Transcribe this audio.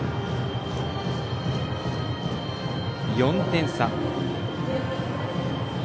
４点差。